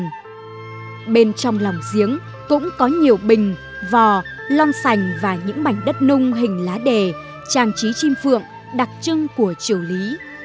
trong tất cả các diếng trong lòng diếng cũng có nhiều bình vò long sành và những mảnh đất nung hình lá đề trang trí chim phượng đặc trưng của triều lý